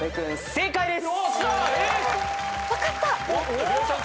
正解です。